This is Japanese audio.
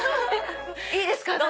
いいですか中。